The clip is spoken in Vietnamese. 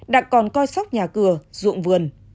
đặt còn coi sóc nhà cửa ruộng vườn